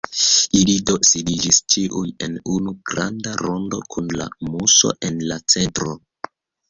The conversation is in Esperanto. Ili do sidiĝis, ĉiuj en unu granda rondo, kun la Muso en la centro.